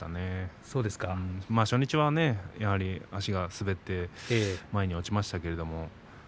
初日は足が滑って前に落ちました。